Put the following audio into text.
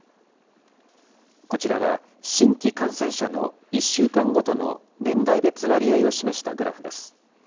こちらは新規感染者の１週間ごとの年代別割合を示したグラフです。